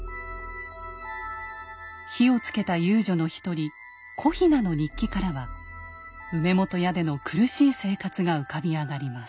火をつけた遊女の一人小雛の日記からは梅本屋での苦しい生活が浮かび上がります。